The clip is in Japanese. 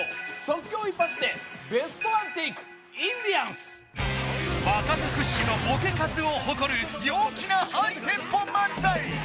即興一発でベストワンテイクインディアンス若手屈指のボケ数を誇る陽気なハイテンポ漫才